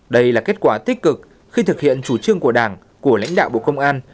đây là kết quả tích cực khi thực hiện chủ trương của đảng của lãnh đạo bộ công an